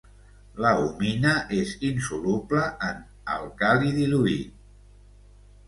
La humina és insoluble en àlcali diluït.